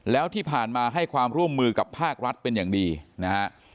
แล้วที่ผ่านมาให้ความร่วมมือกับภาครัฐเป็นอย่างดีนะฮะ